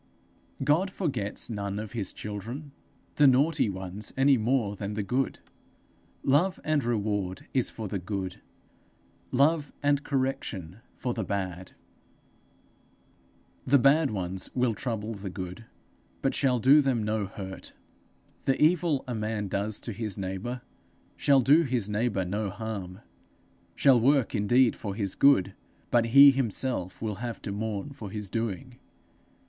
God forgets none of his children the naughty ones any more than the good. Love and reward is for the good: love and correction for the bad. The bad ones will trouble the good, but shall do them no hurt. The evil a man does to his neighbour, shall do his neighbour no harm, shall work indeed for his good; but he himself will have to mourn for his doing.